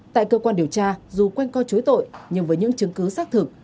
tại cơ quan điều tra dù quanh co chối tội nhưng với những chứng cứ xác thực